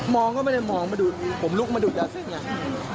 มองก็ไม่ได้มองผมลุกมาดูยาเส้นไง